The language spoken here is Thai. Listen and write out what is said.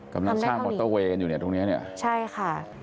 กำลังช่างอยู่เนี่ยตรงเนี้ยเนี่ยใช่ค่ะ